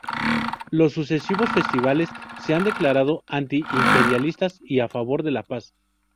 Los sucesivos festivales se han declarado anti-imperialistas y a favor de la paz.